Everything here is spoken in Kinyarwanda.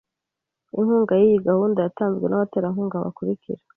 Inkunga yiyi gahunda yatanzwe nabaterankunga bakurikira.